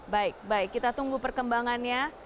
baik baik kita tunggu perkembangannya